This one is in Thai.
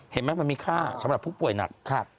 เห็นไหมมันมีค่าสำหรับพวกผู้ป่วยหนัก